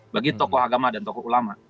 bagi tokoh agama dan tokoh ulama